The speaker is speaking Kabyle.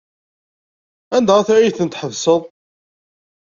Anda ay tent-tḥebseḍ?